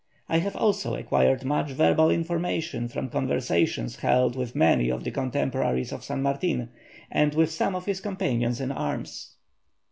I have also acquired much verbal information from conversations held with many of the contemporaries of San Martin, and with some of his companions in arms.